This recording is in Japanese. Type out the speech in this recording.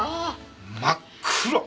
真っ黒！